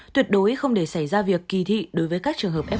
tuyệt đối không để xảy ra việc kỳ thị đối với các trường hợp f một